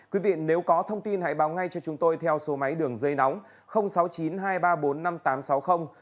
quý vị nếu có thông tin hãy báo ngay cho chúng tôi theo số máy đường dây nóng sáu trăm linh